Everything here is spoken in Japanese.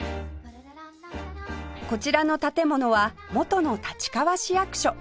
こちらの建物は元の立川市役所